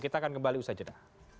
kita akan kembali usai jeda